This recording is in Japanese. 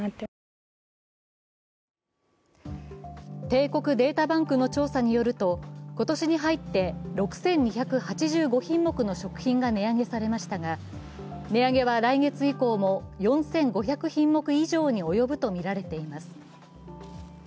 帝国データバンクの調査によると、今年に入って６２８５品目の食品が値上げされましたが値上げは来月以降も４５００品目以上に及ぶとみられています。